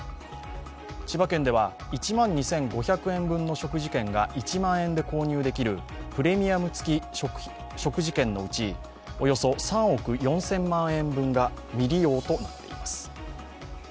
千葉県では１万２５００円分の食事券が１万円で購入できるプレミアム付き商品券のうちおよそ３億４０００万円分が未利用となっています。